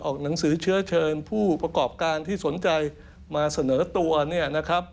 ออกหนังสือเชื้อเชิญผู้ประกอบการที่สนใจมาเสนอตัว